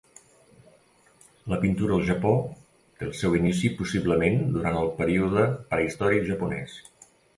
La pintura al Japó té el seu inici possiblement durant el període prehistòric japonès.